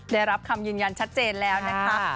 ได้รับคำยืนยันชัดเจนแล้วนะคะ